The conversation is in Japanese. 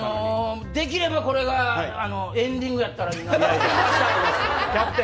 できれば、これがエンディングだったらって。